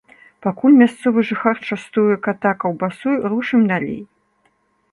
Пакуль мясцовы жыхар частуе ката каўбасой, рушым далей.